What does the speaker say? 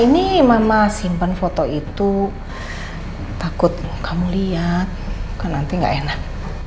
nih mama simpen foto itu takut kamu liat kan nanti ga enak